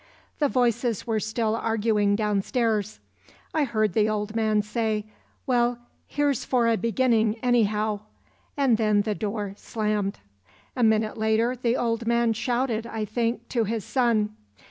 "The voices were still arguing downstairs. I heard the old man say, 'Well, here's for a beginning anyhow,' and then the door slammed. "A minute later the old man shouted, I think, to his son.